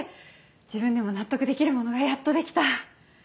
自分でも納得できるものがやっとできた。